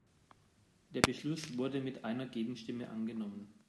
Der Beschluss wurde mit einer Gegenstimme angenommen.